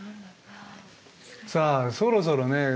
さあそろそろね